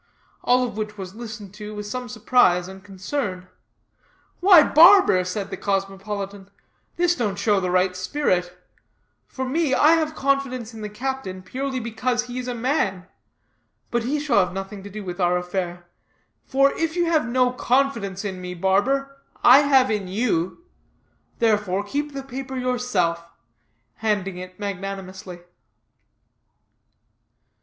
All of which was listened to with some surprise and concern. "Why, barber," said the cosmopolitan, "this don't show the right spirit; for me, I have confidence in the captain purely because he is a man; but he shall have nothing to do with our affair; for if you have no confidence in me, barber, I have in you. There, keep the paper yourself," handing it magnanimously.